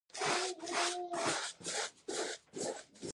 او نړۍ ورسره ښکلې ده.